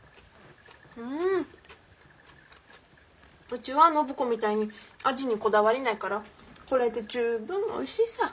うちは暢子みたいに味にこだわりないからこれで十分おいしいさぁ。